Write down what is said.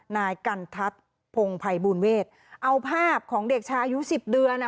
นายกันทัศน์พงภัยบูลเวศเอาภาพของเด็กชายอายุสิบเดือนอ่ะ